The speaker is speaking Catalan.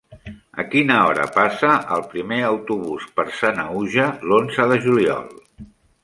A quina hora passa el primer autobús per Sanaüja l'onze de juliol?